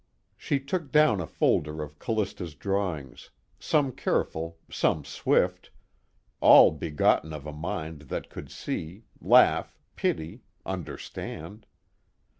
_ She took down a folder of Callista's drawings some careful, some swift, all begotten of a mind that could see, laugh, pity, understand.